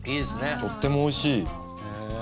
とっても美味しい。